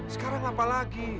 sekarang apa lagi